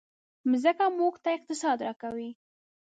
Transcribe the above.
مځکه موږ ته اقتصاد راکوي.